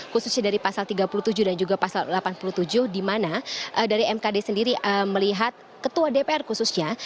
khususnya dari pasal tiga puluh tujuh dan juga pasal delapan puluh tujuh di mana dari mkd sendiri melihat ketua dpr khususnya